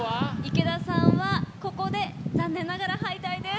池田さんはここで残念ながら敗退です。